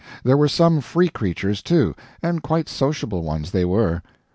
There were some free creatures, too, and quite sociable ones they were.